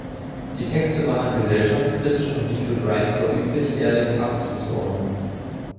Die Texte waren gesellschaftskritisch und wie für Grindcore üblich eher dem Punk zuzuordnen.